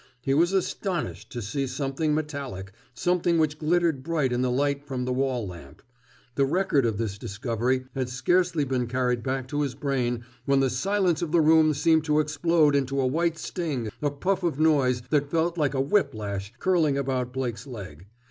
He was astonished to see something metallic, something which glittered bright in the light from the wall lamp. The record of this discovery had scarcely been carried back to his brain, when the silence of the room seemed to explode into a white sting, a puff of noise that felt like a whip lash curling about Blake's leg.